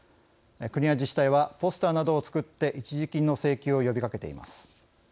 国や自治体はポスターなどを作って一時金の請求を呼びかけています。